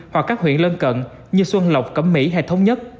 hoặc các huyện lân cận như xuân lộc cẩm mỹ hay thống nhất